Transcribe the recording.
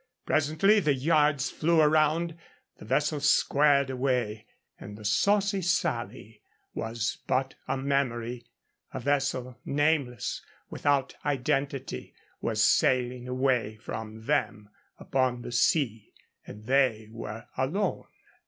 Presently the yards flew around, the vessel squared away, and the Saucy Sally was but a memory. A vessel nameless, without identity, was sailing away from them upon the sea, and they were alone.